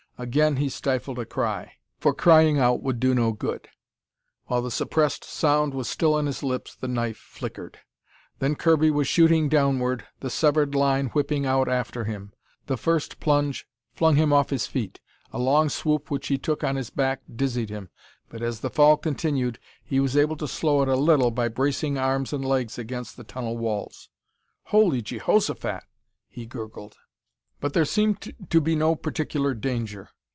Again he stifled a cry. For crying out would do no good. While the suppressed sound was still on his lips, the knife flickered. Then Kirby was shooting downward, the severed line whipping out after him. The first plunge flung him off his feet. A long swoop which he took on his back dizzied him. But as the fall continued, he was able to slow it a little by bracing arms and legs against the tunnel walls. "Holy Jeehosophat!" he gurgled. But there seemed to be no particular danger.